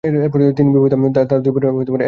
তিনি বিবাহিত, তার দুই পুত্র ও এক কন্যা ছিলেন।